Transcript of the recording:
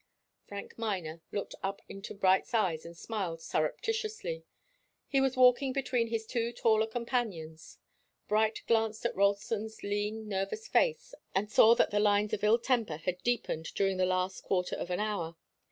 Frank Miner looked up into Bright's eyes and smiled surreptitiously. He was walking between his two taller companions. Bright glanced at Ralston's lean, nervous face, and saw that the lines of ill temper had deepened during the last quarter of an hour.